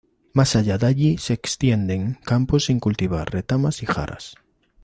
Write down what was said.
Más allá de allí se extienden campos sin cultivar, retamas y jaras.